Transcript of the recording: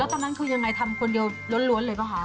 แล้วตอนนั้นคุณยังไงทำคนเดียวร้อนเลยเปล่าคะ